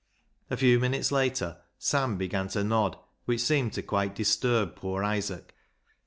A few minutes later Sam began to nod, which seemed to quite disturb poor Isaac.